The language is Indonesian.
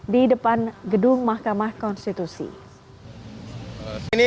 di depan gedung mahkamah konstitusi